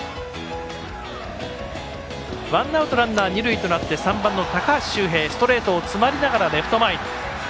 ワンアウトランナー、二塁となって３番、高橋周平ストレートを詰まりながらレフト前に。